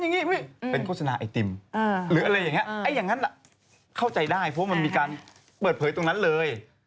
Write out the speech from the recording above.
อย่างนั้นเข้าใจได้เพราะมันมีการเปิดเผยตรงนั้นเลย